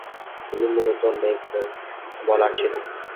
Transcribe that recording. তিনি মূলতঃ leg break bowler ছিলেন।